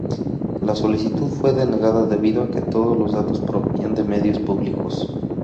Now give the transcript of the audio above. La solicitud fue denegada debido a que todos los datos provenían de medios públicos.